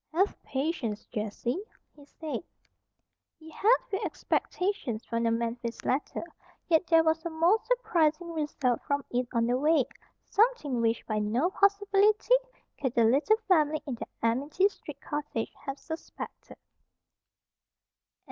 "Have patience, Jessie," he said. He had few expectations from the Memphis letter; yet there was a most surprising result from it on the way, something which by no possibility could the little family in the Amity Street cottage have suspected.